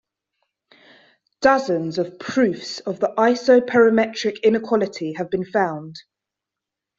Dozens of proofs of the isoperimetric inequality have been found.